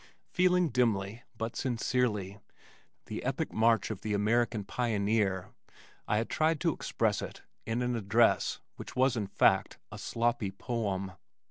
Feeling dimly, but sincerely, the epic march of the American pioneer I had tried to express it in an address which was in fact a sloppy poem.